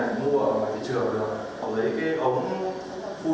súng tự chế này cũng mua ở mạng thị trường họ lấy cái ống phun thú sâu